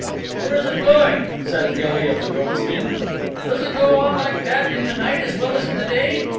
"Where is it going?" said Gilly of the Goatskin. "Does it go on like that in the night as well as in the day?"